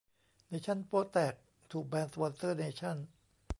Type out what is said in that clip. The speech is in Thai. เนชั่นโป๊ะแตก ถูก แบนสปอนเซอร์เนชั่น